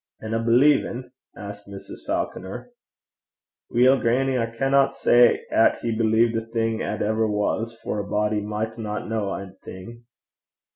'An' a believin'?' asked Mrs. Falconer. 'Weel, grannie, I canna say 'at he believed a' thing 'at ever was, for a body michtna ken a' thing.'